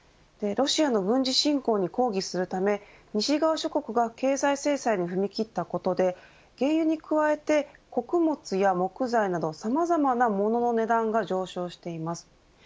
ロシアの軍事侵攻に抗議するため西側諸国が経済制裁に踏み切ったことで原油に加えて穀物や木材などさまざまな物の価格が上昇しています。